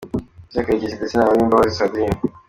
Justin Karekezi ndetse na Uwimbabazi Sandrine